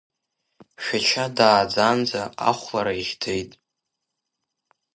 Шәача дааӡаанӡа ахәлара ихьӡеит.